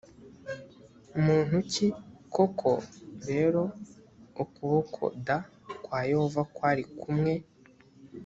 muntu ki koko rero ukuboko d kwa yehova kwari kumwe